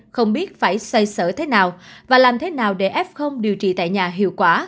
không biết phải xoay sở thế nào và làm thế nào để f điều trị tại nhà hiệu quả